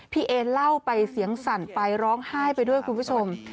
พี่เอเล่าไปเสียงสั่นไปร้องไห้ไปด้วยคุณผู้ชม